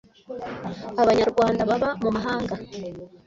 Abanyarwanda baba mu mahanga